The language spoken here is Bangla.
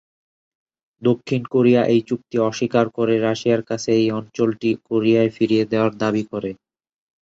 দক্ষিণ কোরিয়া এই চুক্তি অস্বীকার করে রাশিয়ার কাছে এই অঞ্চলটি কোরিয়ায় ফিরিয়ে দেওয়ার দাবি করে।